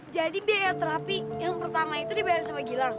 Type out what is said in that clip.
jadi biaya terapi yang pertama itu dibayar sama gilang